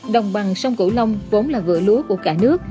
đồng bằng sông cửu long vốn là vựa lúa của cả nước